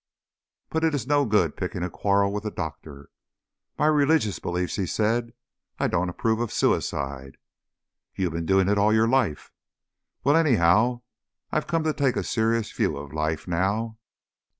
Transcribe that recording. But it is no good picking a quarrel with a doctor. "My religious beliefs," he said, "I don't approve of suicide." "You've been doing it all your life." "Well, anyhow, I've come to take a serious view of life now."